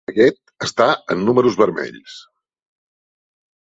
Aquest està en números vermells.